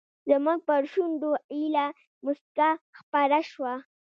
زموږ پر شونډو ایله موسکا خپره شوه.